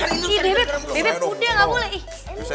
i bebe bebe pude gak boleh